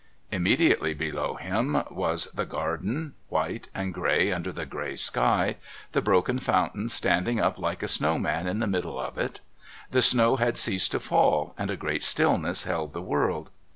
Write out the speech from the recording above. Immediately below him was the garden, white and grey under the grey sky, the broken fountain standing up like a snow man in the middle of it. The snow had ceased to fall and a great stillness held the world.